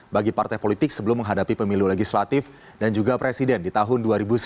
bagi partai politik sebelum menghadapi pemilu legislatif dan juga presiden di tahun dua ribu sembilan belas